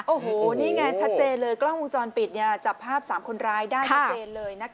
โอ้โฮนี่ไงชัดเจนเลยกล้องวงจรปิดจับภาพสามคนร้ายได้อย่างเกรนเลย